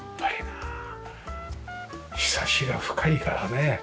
ひさしが深いからね。